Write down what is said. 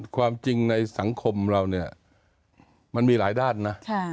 ความจริงในสังคมเรามันมีหลายด้าน